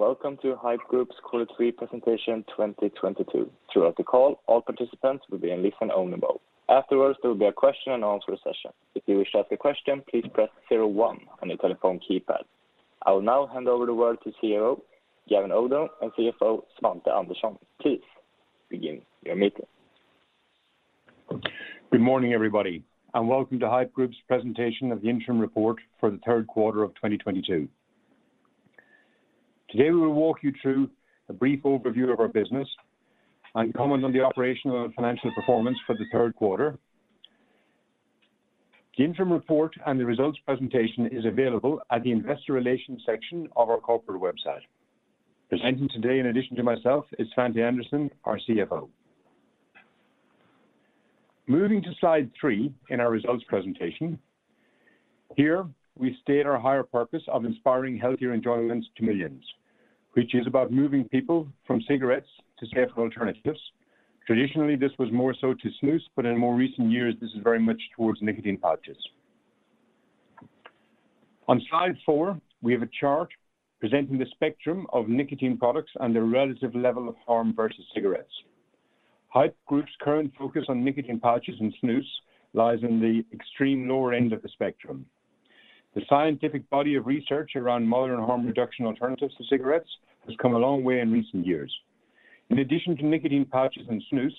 Welcome to Haypp Group's quarter three presentation 2022. Throughout the call, all participants will be in listen-only mode. Afterwards, there will be a question and answer session. If you wish to ask a question, please press zero one on your telephone keypad. I will now hand over the word to CEO, Gavin O'Dowd and CFO, Svante Andersson. Please begin your meeting. Good morning, everybody, and welcome to Haypp Group's presentation of the interim report for the third quarter of 2022. Today, we will walk you through a brief overview of our business and comment on the operational and financial performance for the third quarter. The interim report and the results presentation is available at the investor relations section of our corporate website. Presenting today, in addition to myself, is Svante Andersson, our CFO. Moving to slide three in our results presentation. Here, we state our higher purpose of inspiring healthier enjoyments to millions, which is about moving people from cigarettes to safer alternatives. Traditionally, this was more so to snus, but in more recent years, this is very much towards nicotine pouches. On slide four, we have a chart presenting the spectrum of nicotine products and the relative level of harm versus cigarettes. Haypp Group's current focus on nicotine pouches and snus lies in the extreme lower end of the spectrum. The scientific body of research around modern harm reduction alternatives to cigarettes has come a long way in recent years. In addition to nicotine pouches and snus,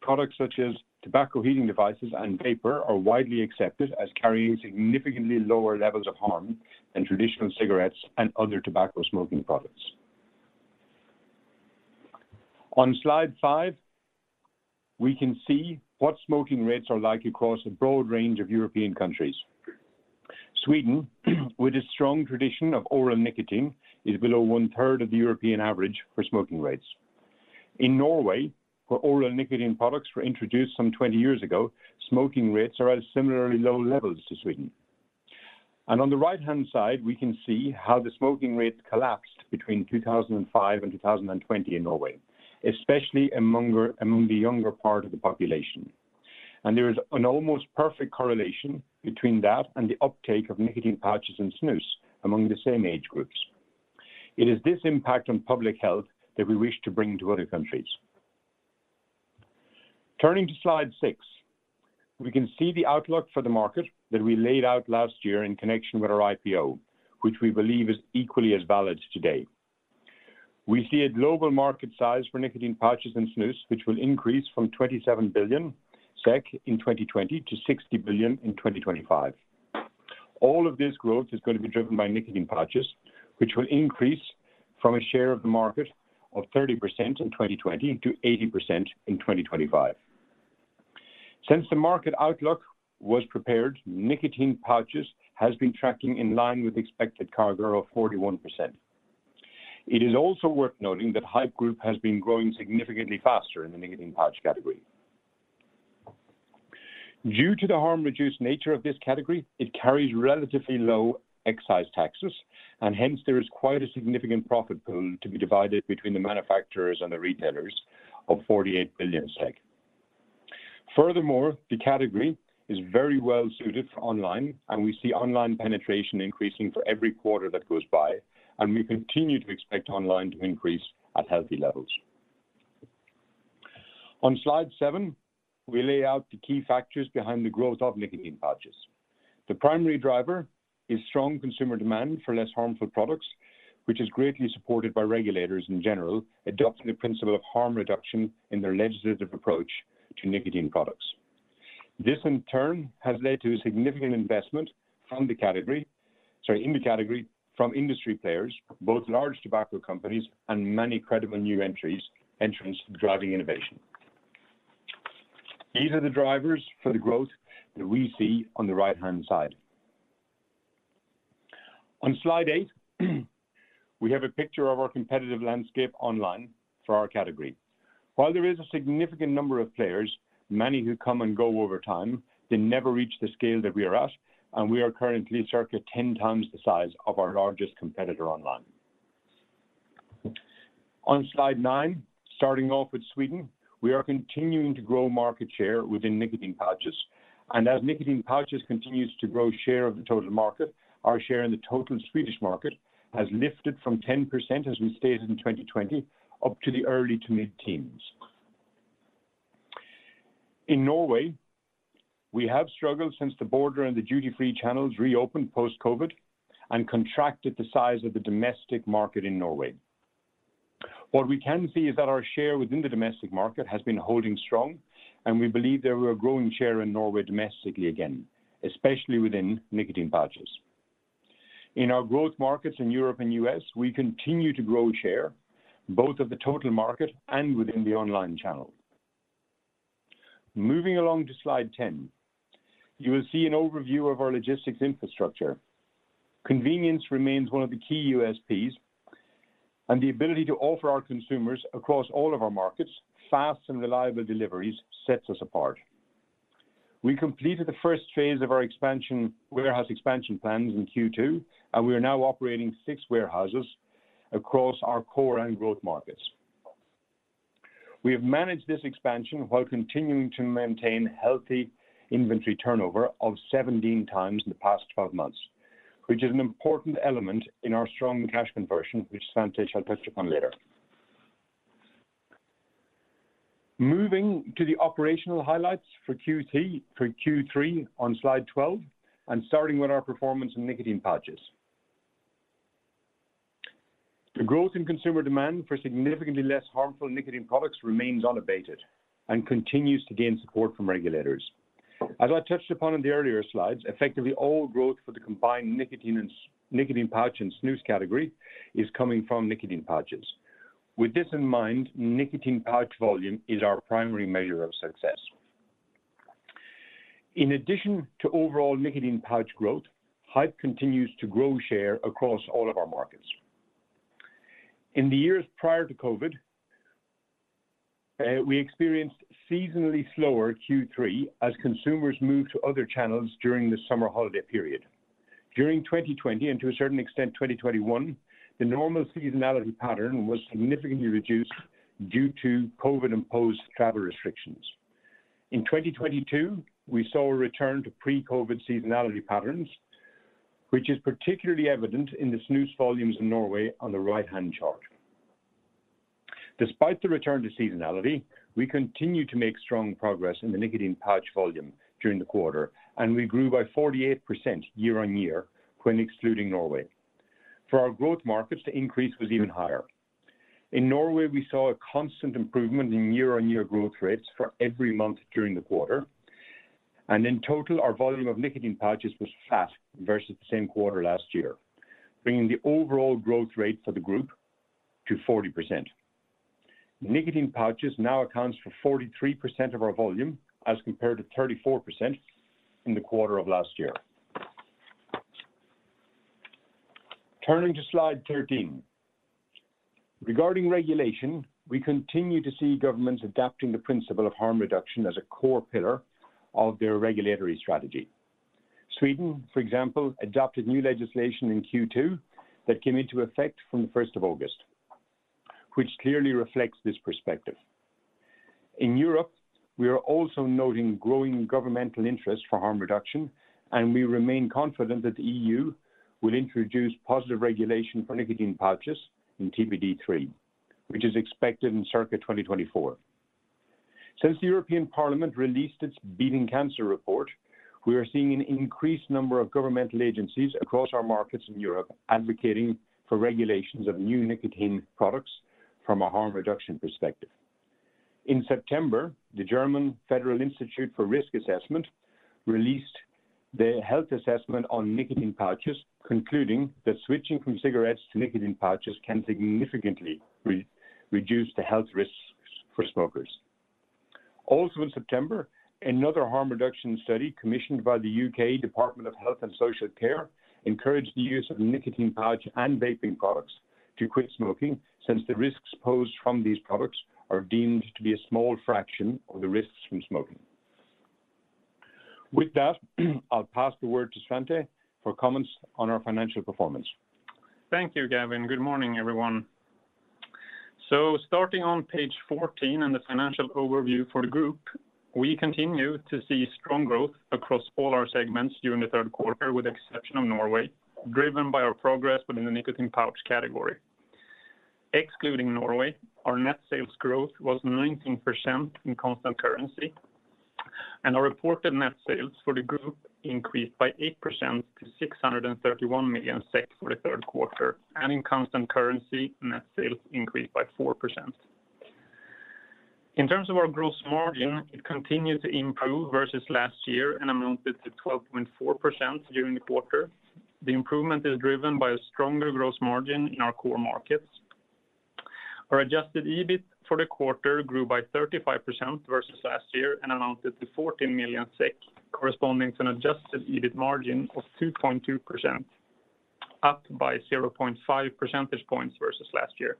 products such as tobacco heating devices and vapor are widely accepted as carrying significantly lower levels of harm than traditional cigarettes and other tobacco smoking products. On slide five, we can see what smoking rates are like across a broad range of European countries. Sweden, with a strong tradition of oral nicotine, is below 1/3 of the European average for smoking rates. In Norway, where oral nicotine products were introduced some 20 years ago, smoking rates are at similarly low levels to Sweden. On the right-hand side, we can see how the smoking rates collapsed between 2005 and 2020 in Norway, especially among the younger part of the population. There is an almost perfect correlation between that and the uptake of nicotine pouches and snus among the same age groups. It is this impact on public health that we wish to bring to other countries. Turning to slide six, we can see the outlook for the market that we laid out last year in connection with our IPO, which we believe is equally as valid today. We see a global market size for nicotine pouches and snus, which will increase from 27 billion SEK in 2020 to 60 billion in 2025. All of this growth is gonna be driven by nicotine pouches, which will increase from a share of the market of 30% in 2020 to 80% in 2025. Since the market outlook was prepared, nicotine pouches has been tracking in line with expected CAGR of 41%. It is also worth noting that Haypp Group has been growing significantly faster in the nicotine pouch category. Due to the harm-reduced nature of this category, it carries relatively low excise taxes, and hence there is quite a significant profit pool to be divided between the manufacturers and the retailers of 48 billion. Furthermore, the category is very well suited for online, and we see online penetration increasing for every quarter that goes by, and we continue to expect online to increase at healthy levels. On slide seven, we lay out the key factors behind the growth of nicotine pouches. The primary driver is strong consumer demand for less harmful products, which is greatly supported by regulators in general, adopting the principle of harm reduction in their legislative approach to nicotine products. This in turn has led to a significant investment in the category from industry players, both large tobacco companies and many credible new entrants driving innovation. These are the drivers for the growth that we see on the right-hand side. On slide eight, we have a picture of our competitive landscape online for our category. While there is a significant number of players, many who come and go over time, they never reach the scale that we are at, and we are currently circa 10x the size of our largest competitor online. On slide nine, starting off with Sweden, we are continuing to grow market share within nicotine pouches. As nicotine pouches continues to grow share of the total market, our share in the total Swedish market has lifted from 10%, as we stated in 2020, up to the early to mid-teens. In Norway, we have struggled since the border and the duty-free channels reopened post-COVID and contracted the size of the domestic market in Norway. What we can see is that our share within the domestic market has been holding strong, and we believe that we're growing share in Norway domestically again, especially within nicotine pouches. In our growth markets in Europe and U.S., we continue to grow share, both of the total market and within the online channel. Moving along to slide 10, you will see an overview of our logistics infrastructure. Convenience remains one of the key USPs, and the ability to offer our consumers across all of our markets fast and reliable deliveries sets us apart. We completed the first phase of our expansion, warehouse expansion plans in Q2, and we are now operating six warehouses across our core and growth markets. We have managed this expansion while continuing to maintain healthy inventory turnover of 17x in the past 12 months, which is an important element in our strong cash conversion, which Svante shall touch upon later. Moving to the operational highlights for Q3 on slide 12 and starting with our performance in nicotine pouches. The growth in consumer demand for significantly less harmful nicotine products remains unabated and continues to gain support from regulators. As I touched upon in the earlier slides, effectively all growth for the combined nicotine pouch and snus category is coming from nicotine pouches. With this in mind, nicotine pouch volume is our primary measure of success. In addition to overall nicotine pouch growth, Haypp continues to grow share across all of our markets. In the years prior to COVID, we experienced seasonally slower Q3 as consumers moved to other channels during the summer holiday period. During 2020 and to a certain extent, 2021, the normal seasonality pattern was significantly reduced due to COVID-imposed travel restrictions. In 2022, we saw a return to pre-COVID seasonality patterns, which is particularly evident in the snus volumes in Norway on the right-hand chart. Despite the return to seasonality, we continue to make strong progress in the nicotine pouch volume during the quarter, and we grew by 48% year-on-year when excluding Norway. For our growth markets, the increase was even higher. In Norway, we saw a constant improvement in year-on-year growth rates for every month during the quarter. In total, our volume of nicotine pouches was flat versus the same quarter last year, bringing the overall growth rate for the group to 40%. Nicotine pouches now accounts for 43% of our volume, as compared to 34% in the quarter of last year. Turning to slide 13. Regarding regulation, we continue to see governments adapting the principle of harm reduction as a core pillar of their regulatory strategy. Sweden, for example, adopted new legislation in Q2 that came into effect from the 1st of August, which clearly reflects this perspective. In Europe, we are also noting growing governmental interest for harm reduction, and we remain confident that the E.U. will introduce positive regulation for nicotine pouches in TPD3, which is expected in circa 2024. Since the European Parliament released its Beating Cancer report, we are seeing an increased number of governmental agencies across our markets in Europe advocating for regulations of new nicotine products from a harm reduction perspective. In September, the German Federal Institute for Risk Assessment released the health assessment on nicotine pouches, concluding that switching from cigarettes to nicotine pouches can significantly reduce the health risks for smokers. Also in September, another harm reduction study commissioned by the U.K. Department of Health and Social Care encouraged the use of nicotine pouch and vaping products to quit smoking, since the risks posed from these products are deemed to be a small fraction of the risks from smoking. With that, I'll pass the word to Svante for comments on our financial performance. Thank you, Gavin. Good morning, everyone. Starting on page 14 in the financial overview for the group, we continue to see strong growth across all our segments during the third quarter, with the exception of Norway, driven by our progress within the nicotine pouch category. Excluding Norway, our net sales growth was 19% in constant currency, and our reported net sales for the group increased by 8% to 631 million for the third quarter, and in constant currency, net sales increased by 4%. In terms of our gross margin, it continued to improve versus last year and amounted to 12.4% during the quarter. The improvement is driven by a stronger gross margin in our core markets. Our adjusted EBIT for the quarter grew by 35% versus last year and amounted to 14 million SEK, corresponding to an adjusted EBIT margin of 2.2%, up by 0.5 percentage points versus last year.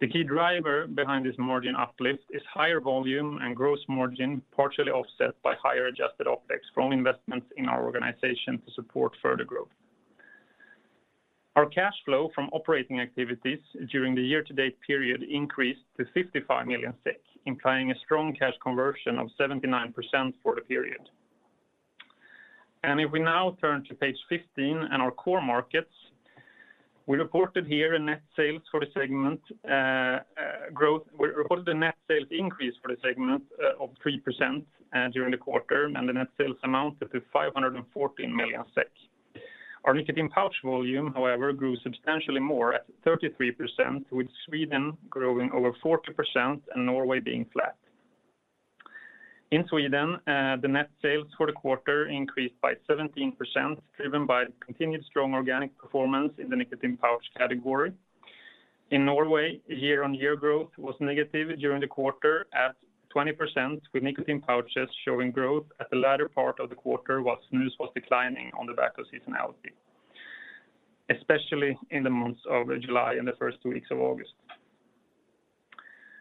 The key driver behind this margin uplift is higher volume and gross margin, partially offset by higher adjusted OpEx from investments in our organization to support further growth. Our cash flow from operating activities during the year-to-date period increased to 55 million, implying a strong cash conversion of 79% for the period. If we now turn to page 15 and our core markets, we reported the net sales increase for the segment of 3% during the quarter, and the net sales amounted to 514 million SEK. Our nicotine pouch volume, however, grew substantially more at 33%, with Sweden growing over 40% and Norway being flat. In Sweden, the net sales for the quarter increased by 17%, driven by the continued strong organic performance in the nicotine pouch category. In Norway, year-on-year growth was negative during the quarter at 20%, with nicotine pouches showing growth at the latter part of the quarter while snus was declining on the back of seasonality, especially in the months of July and the first two weeks of August.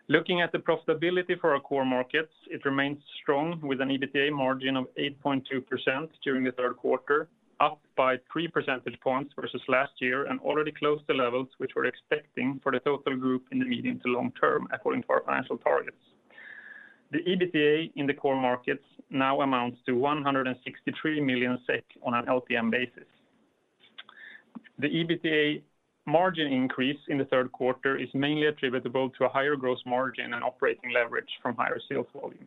Looking at the profitability for our core markets, it remains strong with an EBITDA margin of 8.2% during the third quarter, up by 3 percentage points versus last year and already close to levels which we're expecting for the total group in the medium to long term, according to our financial targets. The EBITDA in the core markets now amounts to 163 million SEK on an LTM basis. The EBITDA margin increase in the third quarter is mainly attributable to a higher gross margin and operating leverage from higher sales volume.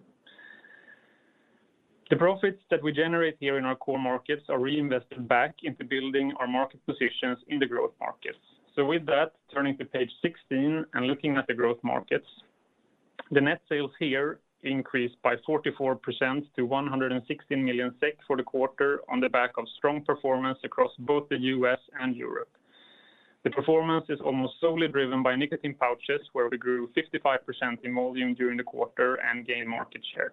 The profits that we generate here in our core markets are reinvested back into building our market positions in the growth markets. With that, turning to page 16 and looking at the growth markets. The net sales here increased by 44% to 160 million SEK for the quarter on the back of strong performance across both the U.S. and Europe. The performance is almost solely driven by nicotine pouches, where we grew 55% in volume during the quarter and gained market share.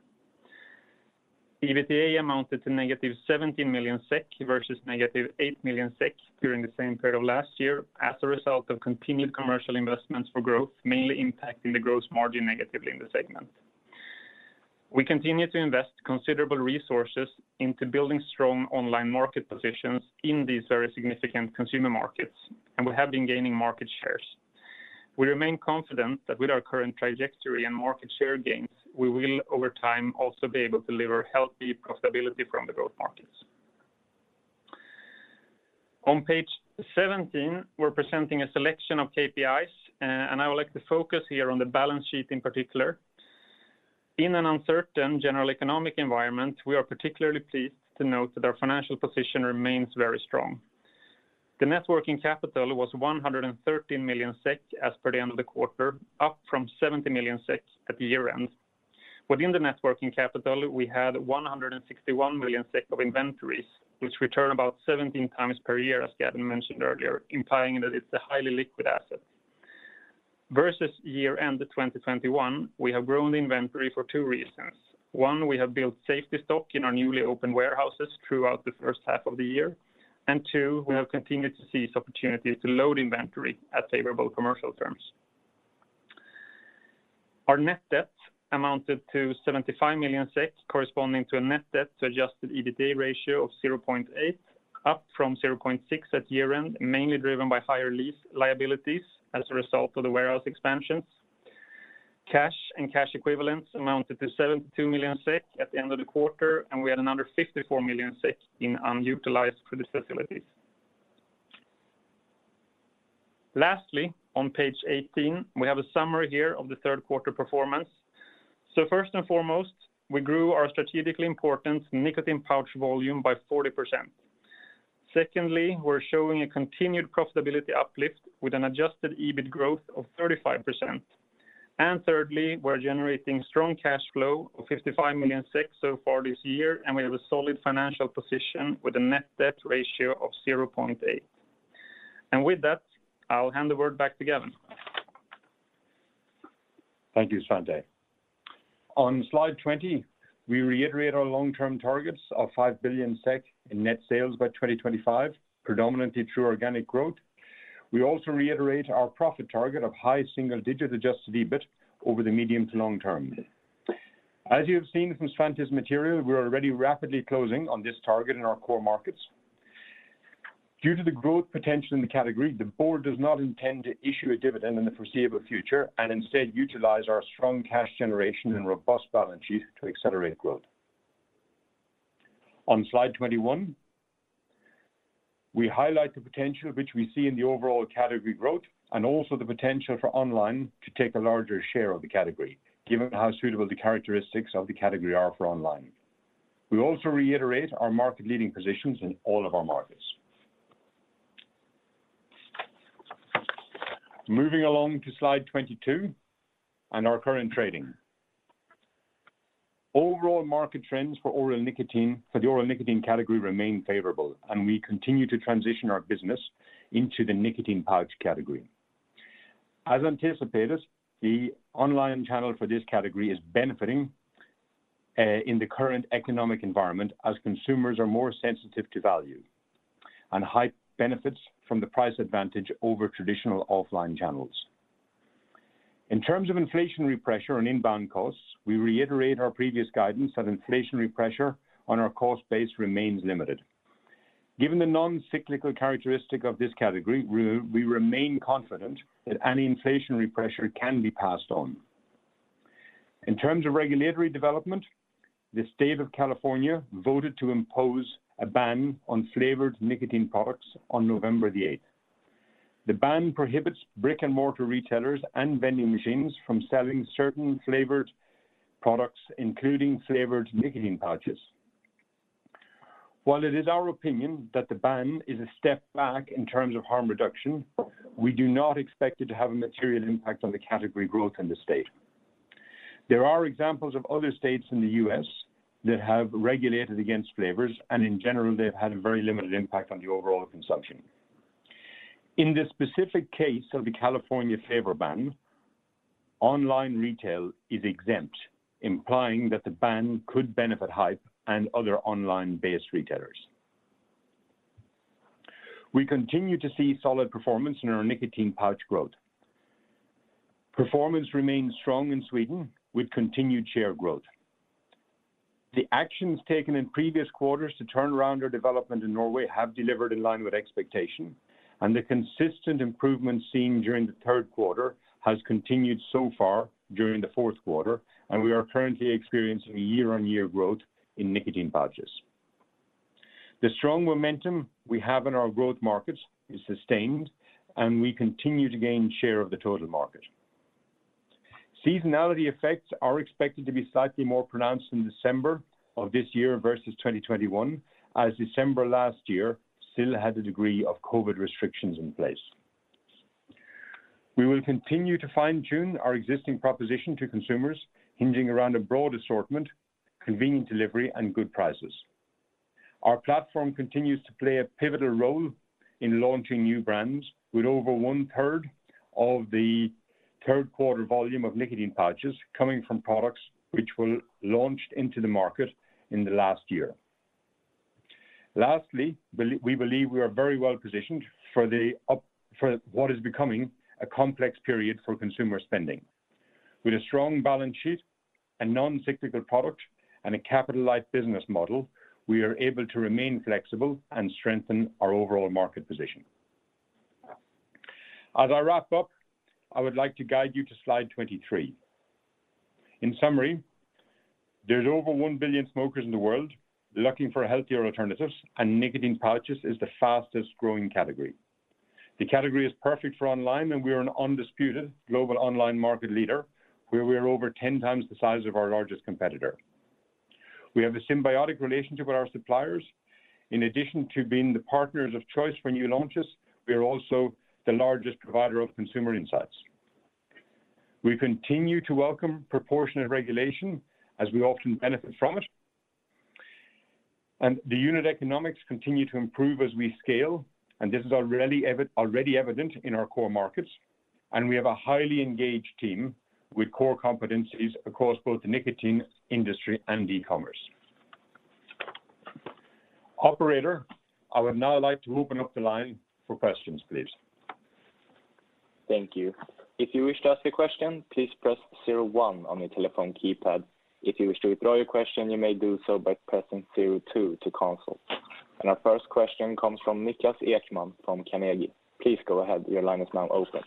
EBITDA amounted to -17 million SEK versus -8 million SEK during the same period of last year as a result of continued commercial investments for growth, mainly impacting the gross margin negatively in the segment. We continue to invest considerable resources into building strong online market positions in these very significant consumer markets, and we have been gaining market shares. We remain confident that with our current trajectory and market share gains, we will, over time, also be able to deliver healthy profitability from the growth markets. On page 17, we're presenting a selection of KPIs, and I would like to focus here on the balance sheet in particular. In an uncertain general economic environment, we are particularly pleased to note that our financial position remains very strong. The net working capital was 113 million SEK as per the end of the quarter, up from 70 million SEK at the year-end. Within the net working capital, we had 161 million SEK of inventories, which return about 17x per year, as Gavin mentioned earlier, implying that it's a highly liquid asset. Versus year-end of 2021, we have grown the inventory for two reasons. One, we have built safety stock in our newly opened warehouses throughout the first half of the year. Two, we have continued to seize opportunities to load inventory at favorable commercial terms. Our net debt amounted to 75 million SEK, corresponding to a net debt to adjusted EBITDA ratio of 0.8, up from 0.6 at year-end, mainly driven by higher lease liabilities as a result of the warehouse expansions. Cash and cash equivalents amounted to 72 million SEK at the end of the quarter, and we had another 54 million SEK in unutilized credit facilities. Lastly, on page 18, we have a summary here of the third quarter performance. First and foremost, we grew our strategically important nicotine pouch volume by 40%. Secondly, we're showing a continued profitability uplift with an adjusted EBIT growth of 35%. Thirdly, we're generating strong cash flow of 55 million so far this year, and we have a solid financial position with a net debt ratio of 0.8. With that, I'll hand the word back to Gavin. Thank you, Svante. On slide 20, we reiterate our long-term targets of 5 billion SEK in net sales by 2025, predominantly through organic growth. We also reiterate our profit target of high-single-digit adjusted EBIT over the medium to long term. As you have seen from Svante's material, we are already rapidly closing on this target in our core markets. Due to the growth potential in the category, the board does not intend to issue a dividend in the foreseeable future and instead utilize our strong cash generation and robust balance sheet to accelerate growth. On slide 21, we highlight the potential which we see in the overall category growth and also the potential for online to take a larger share of the category, given how suitable the characteristics of the category are for online. We also reiterate our market-leading positions in all of our markets. Moving along to slide 22 and our current trading. Overall market trends for the oral nicotine category remain favorable, and we continue to transition our business into the nicotine pouch category. As anticipated, the online channel for this category is benefiting in the current economic environment as consumers are more sensitive to value, and Haypp benefits from the price advantage over traditional offline channels. In terms of inflationary pressure and inbound costs, we reiterate our previous guidance that inflationary pressure on our cost base remains limited. Given the non-cyclical characteristic of this category, we remain confident that any inflationary pressure can be passed on. In terms of regulatory development, the State of California voted to impose a ban on flavored nicotine products on November 8. The ban prohibits brick-and-mortar retailers and vending machines from selling certain flavored products, including flavored nicotine pouches. While it is our opinion that the ban is a step back in terms of harm reduction, we do not expect it to have a material impact on the category growth in the state. There are examples of other states in the U.S. that have regulated against flavors, and in general, they've had a very limited impact on the overall consumption. In this specific case of the California flavor ban, online retail is exempt, implying that the ban could benefit Haypp and other online-based retailers. We continue to see solid performance in our nicotine pouch growth. Performance remains strong in Sweden with continued share growth. The actions taken in previous quarters to turn around our development in Norway have delivered in line with expectation, and the consistent improvement seen during the third quarter has continued so far during the fourth quarter, and we are currently experiencing year-on-year growth in nicotine pouches. The strong momentum we have in our growth markets is sustained, and we continue to gain share of the total market. Seasonality effects are expected to be slightly more pronounced in December of this year versus 2021, as December last year still had a degree of COVID restrictions in place. We will continue to fine-tune our existing proposition to consumers, hinging around a broad assortment, convenient delivery, and good prices. Our platform continues to play a pivotal role in launching new brands with over 1/3 of the third quarter volume of nicotine pouches coming from products which were launched into the market in the last year. Lastly, we believe we are very well positioned for what is becoming a complex period for consumer spending. With a strong balance sheet and non-cyclical product and a capitalized business model, we are able to remain flexible and strengthen our overall market position. As I wrap up, I would like to guide you to slide 23. In summary, there's over 1 billion smokers in the world looking for healthier alternatives, and nicotine pouches is the fastest-growing category. The category is perfect for online, and we are an undisputed global online market leader, where we are over 10x the size of our largest competitor. We have a symbiotic relationship with our suppliers. In addition to being the partners of choice for new launches, we are also the largest provider of consumer insights. We continue to welcome proportionate regulation as we often benefit from it. The unit economics continue to improve as we scale, and this is already evident in our core markets, and we have a highly engaged team with core competencies across both the nicotine industry and e-commerce. Operator, I would now like to open up the line for questions, please. Thank you. If you wish to ask a question, please press zero one on your telephone keypad. If you wish to withdraw your question, you may do so by pressing zero two to cancel. Our first question comes from Niklas Ekman from Carnegie. Please go ahead. Your line is now open.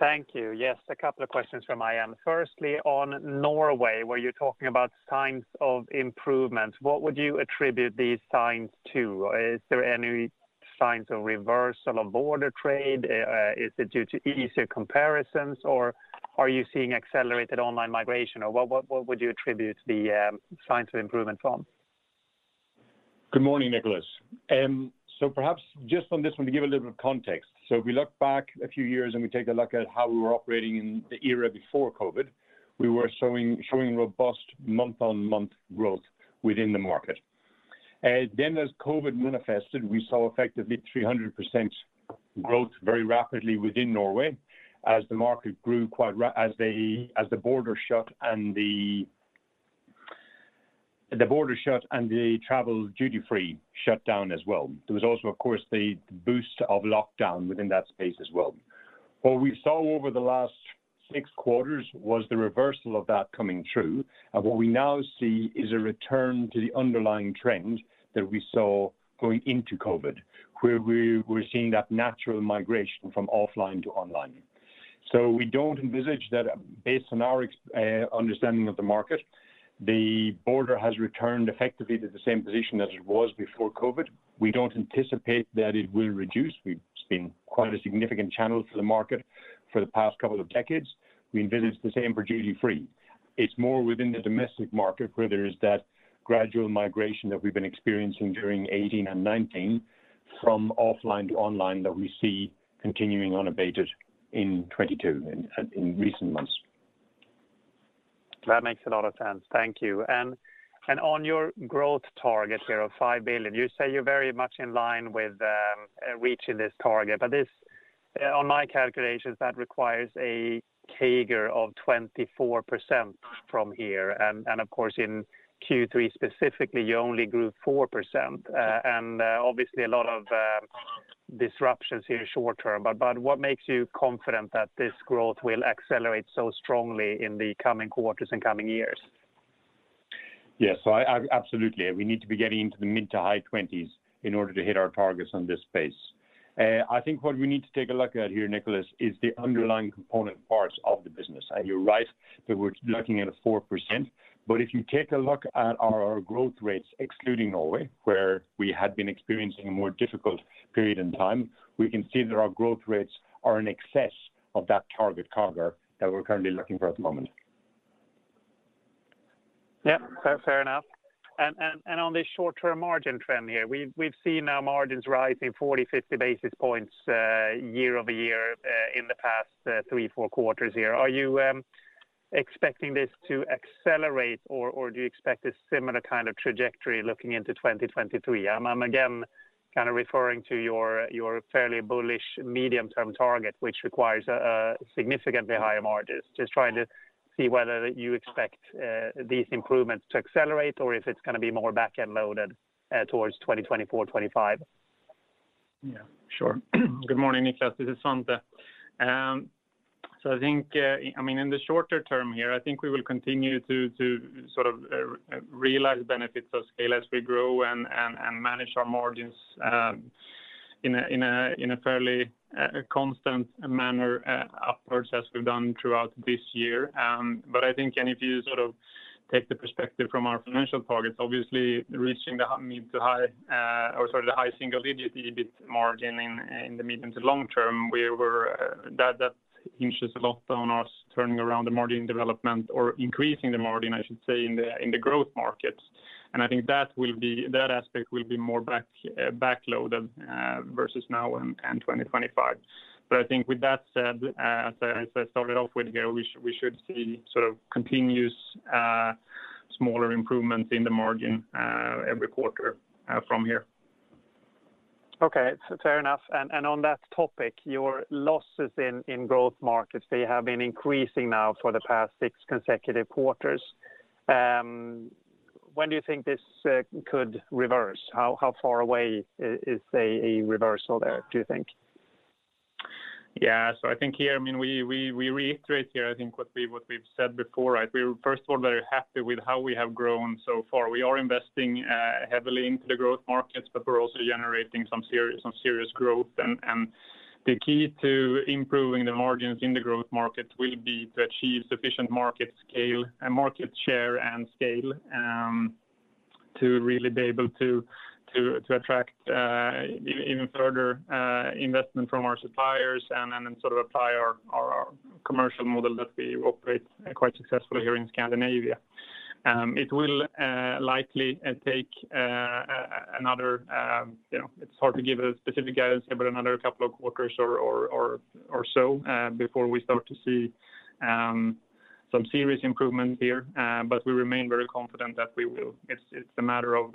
Thank you. Yes, a couple of questions from my end. Firstly, on Norway, where you're talking about signs of improvements, what would you attribute these signs to? Is there any signs of reversal of border trade? Is it due to easier comparisons, or are you seeing accelerated online migration, or what would you attribute the signs of improvement from? Good morning, Niklas. Perhaps just on this one, to give a little context. If we look back a few years and we take a look at how we were operating in the era before COVID, we were showing robust month-on-month growth within the market. As COVID manifested, we saw effectively 300% growth very rapidly within Norway as the market grew quite as the border shut, and the travel duty-free shut down as well. There was also, of course, the boost of lockdown within that space as well. What we saw over the last six quarters was the reversal of that coming true. What we now see is a return to the underlying trend that we saw going into COVID, where we're seeing that natural migration from offline to online. We don't envisage that based on our understanding of the market, the border has returned effectively to the same position as it was before COVID. We don't anticipate that it will reduce. It's been quite a significant channel to the market for the past couple of decades. We envisage the same for duty-free. It's more within the domestic market where there is that gradual migration that we've been experiencing during 2018 and 2019 from offline to online that we see continuing unabated in 2022, in recent months. That makes a lot of sense. Thank you. On your growth target here of 5 billion, you say you're very much in line with reaching this target. This, on my calculations, that requires a CAGR of 24% from here. Of course, in Q3 specifically, you only grew 4%. Obviously a lot of disruptions here short-term. What makes you confident that this growth will accelerate so strongly in the coming quarters and coming years? Yes. I absolutely. We need to be getting into the mid to high-20s in order to hit our targets on this pace. I think what we need to take a look at here, Niklas, is the underlying component parts of the business. You're right that we're looking at 4%. If you take a look at our growth rates, excluding Norway, where we had been experiencing a more difficult period in time, we can see that our growth rates are in excess of that target CAGR that we're currently looking for at the moment. Yeah. Fair enough. On this short-term margin trend here, we've seen our margins rising 40 basis points, 50 basis points year-over-year in the past three, four quarters here. Are you expecting this to accelerate, or do you expect a similar kind of trajectory looking into 2023? I'm again kind of referring to your fairly bullish medium-term target, which requires significantly higher margins. Just trying to see whether you expect these improvements to accelerate or if it's gonna be more back-end loaded towards 2024, 2025. Yeah, sure. Good morning, Niklas. This is Svante. I think, I mean, in the shorter term here, I think we will continue to sort of realize benefits of scale as we grow and manage our margins in a fairly constant manner upwards as we've done throughout this year. I think if you sort of take the perspective from our financial targets, obviously reaching the high-single-digit EBIT margin in the medium to long term, that hinges a lot on us turning around the margin development or increasing the margin, I should say, in the growth markets. I think that aspect will be more backloaded versus now and 2025. I think with that said, as I started off with here, we should see sort of continuous smaller improvements in the margin every quarter from here. Okay. Fair enough. On that topic, your losses in growth markets, they have been increasing now for the past six consecutive quarters. When do you think this could reverse? How far away is a reversal there, do you think? Yeah. I think here, I mean, we reiterate here I think what we've said before, right? We're first of all very happy with how we have grown so far. We are investing heavily into the growth markets, but we're also generating some serious growth. The key to improving the margins in the growth market will be to achieve sufficient market scale and market share and scale to really be able to attract even further investment from our suppliers and then sort of apply our commercial model that we operate quite successfully here in Scandinavia. It will likely take another, you know, it's hard to give a specific guidance, but another couple of quarters or so before we start to see some serious improvement here. We remain very confident that we will. It's a matter of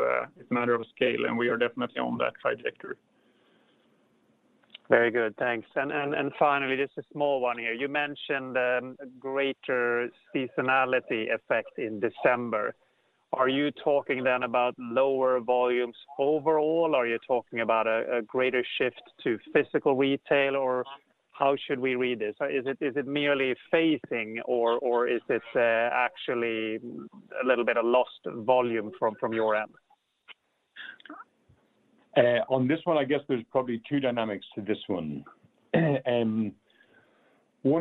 scale, and we are definitely on that trajectory. Very good. Thanks. Finally, just a small one here. You mentioned a greater seasonality effect in December. Are you talking then about lower volumes overall, or are you talking about a greater shift to physical retail, or how should we read this? Is it merely phasing or is this actually a little bit of lost volume from your end? On this one, I guess there's probably two dynamics to this one. One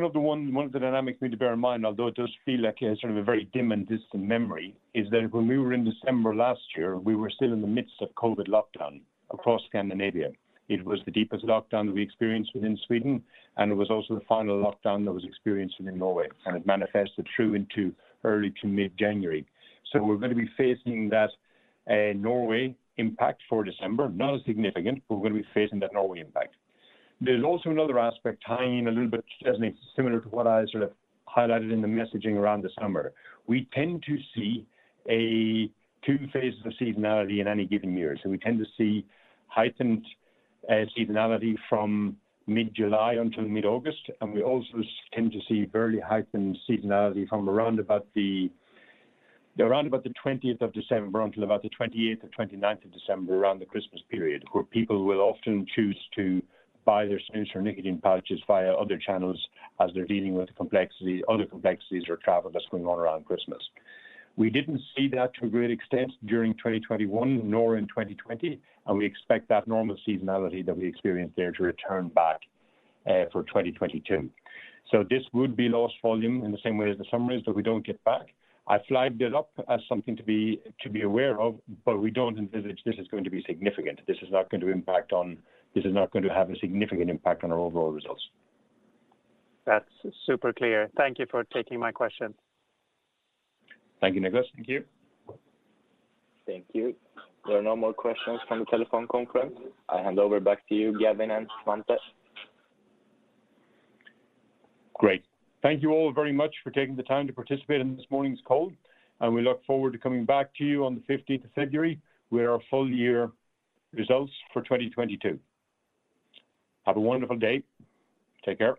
of the dynamics we need to bear in mind, although it does feel like it's sort of a very dim and distant memory, is that when we were in December last year, we were still in the midst of COVID lockdown across Scandinavia. It was the deepest lockdown that we experienced within Sweden, and it was also the final lockdown that was experienced in Norway, and it manifested through into early to mid-January. We're gonna be facing that Norway impact for December, not as significant, but we're gonna be facing that Norway impact. There's also another aspect tying in a little bit, Niklas, similar to what I sort of highlighted in the messaging around December. We tend to see a two phases of seasonality in any given year. We tend to see heightened seasonality from mid-July until mid-August, and we also tend to see very heightened seasonality from around about the 20th of December until about the 28th or 29th of December, around the Christmas period, where people will often choose to buy their snus or nicotine pouches via other channels as they're dealing with the complexity, other complexities or travel that's going on around Christmas. We didn't see that to a great extent during 2021, nor in 2020, and we expect that normal seasonality that we experienced there to return back for 2022. This would be lost volume in the same way as the summer is that we don't get back. I flagged it up as something to be aware of, but we don't envisage this is going to be significant. This is not going to have a significant impact on our overall results. That's super clear. Thank you for taking my question. Thank you, Niklas. Thank you. Thank you. There are no more questions from the telephone conference. I hand over back to you, Gavin and Svante. Great. Thank you all very much for taking the time to participate in this morning's call, and we look forward to coming back to you on the 15th of February with our full year results for 2022. Have a wonderful day. Take care.